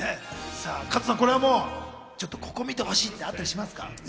加藤さん、これはもうちょっと、ここ見てほしいみたいなの、あったりしますか？